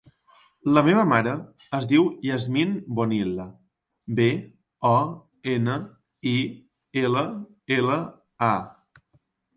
La meva mare es diu Yasmine Bonilla: be, o, ena, i, ela, ela, a.